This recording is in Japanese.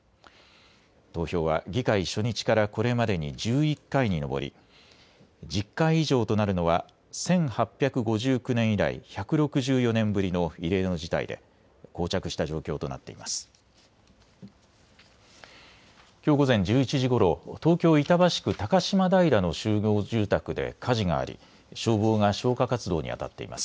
投票は議会初日からこれまでに１１回に上り１０回以上となるのは１８５９年以来、１６４年ぶりの異例の事態でこう着した状況となっています。